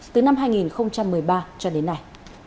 từ năm hai nghìn một mươi ba cho đến nay